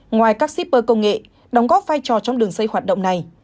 ngoài các shipper công nghệ đóng góp vai trò trong đường dây hoạt động này